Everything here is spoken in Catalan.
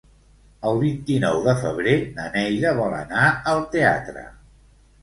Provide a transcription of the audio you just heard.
El vint-i-nou de febrer na Neida vol anar al teatre.